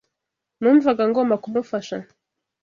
Numvaga ngomba kumufasha.